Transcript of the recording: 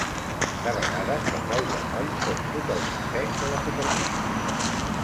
De vegades, els aiguamolls són totalment secs a la superfície.